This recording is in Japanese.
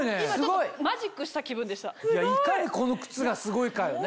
いかにこの靴がすごいかよね。